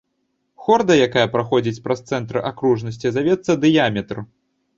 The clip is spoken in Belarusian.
Хорда, якая праходзіць праз цэнтр акружнасці, завецца дыяметр.